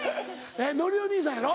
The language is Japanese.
のりお兄さんやろ？